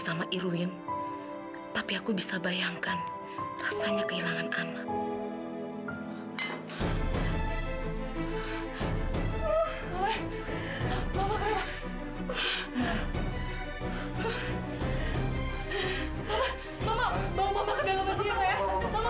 sampai jumpa di video selanjutnya